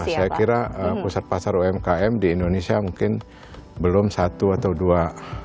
saya kira pusat pasar umkm di indonesia mungkin belum satu atau dua